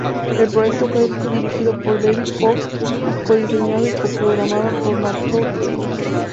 El proyecto fue dirigido por David Fox y co-diseñado y co-programado por Matthew Kane.